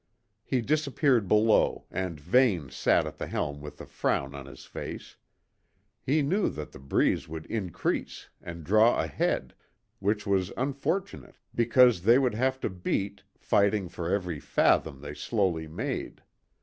He disappeared below, and Vane sat at the helm with a frown on his face. He knew that the breeze would increase and draw ahead, which was unfortunate, because they would have to beat, fighting for every fathom they slowly made.